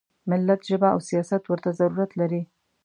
ملت ژبه او سیاست ورته ضرورت لري.